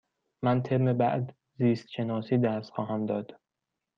من ترم بعد زیست شناسی درس خواهم داد.